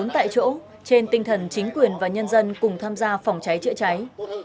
bốn tại chỗ trên tinh thần chính quyền và nhân dân cùng tham gia phòng cháy chữa cháy